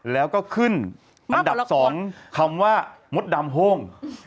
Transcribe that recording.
แล้วก็ขึ้นอันดับ๒คำว่ามดดำโห้ง